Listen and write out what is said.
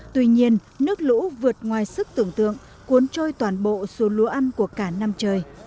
tuy nhiên nước lũ vượt ngoài sức tưởng tượng cuốn trôi toàn bộ xuống lúa ăn của cả năm trời